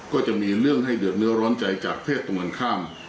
ก็จะมีเรื่องให้เดือดเนื้อร้อนใจจากเพศตรงกันข้าม